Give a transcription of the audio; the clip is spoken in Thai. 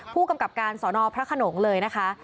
ผู้กำกับการสอนอพระขนงเลยนะคะ